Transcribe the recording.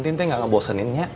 bukan tinte ga ngebosenin ya